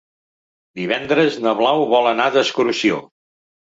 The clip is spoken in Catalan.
Divendres na Blau vol anar d'excursió.